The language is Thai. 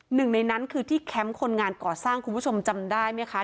หนึ่งในนั้นคือที่แคมป์คนงานก่อสร้างคุณผู้ชมจำได้ไหมคะ